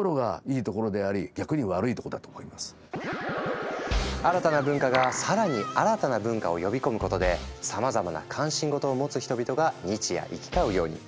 だから新たな文化が更に新たな文化を呼び込むことでさまざまな関心事を持つ人々が日夜行き交うように。